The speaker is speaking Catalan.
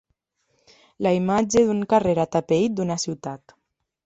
La imatge d'un carrer atapeït d'una ciutat.